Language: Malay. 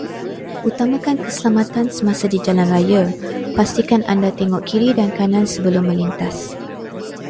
Utamakan keselamatan semasa di jalan raya, pastikan anda tengok kiri dan kanan sebelum menlintas.